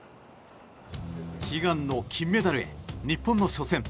悲願の金メダルへ日本の初戦。